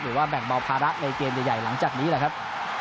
หรือว่าแบ่งเบาภาระในเกมใหญ่หลังจากนี้แหละครับ